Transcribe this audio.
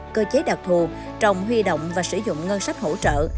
cơ chế đặc thù trồng huy động và sử dụng ngân sách hỗ trợ